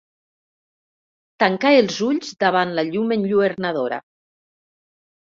Tancà els ulls davant la llum enlluernadora.